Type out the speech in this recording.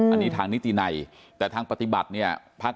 อันนี้ทางนิตินัยแต่ทางปฏิบัติเนี่ยพัก